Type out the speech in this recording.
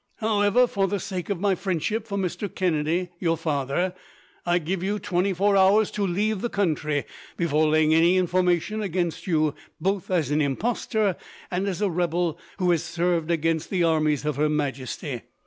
However, for the sake of my friendship for Mr. Kennedy, your father, I give you twenty four hours to leave the country, before laying any information against you, both as an impostor and as a rebel who has served against the armies of Her Majesty.